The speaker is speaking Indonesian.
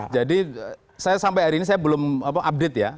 jadi saya sampai hari ini saya belum update ya